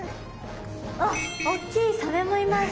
あっ大きいサメもいます！